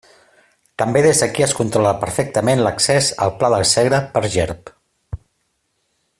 També des d'aquí es controla perfectament l'accés al pla del Segre per Gerb.